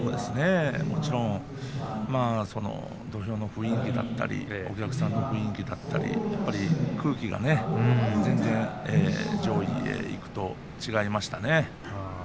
もちろん土俵の雰囲気だったりお客さんの雰囲気だったりやっぱり空気が全然上位にいくと違いましたね。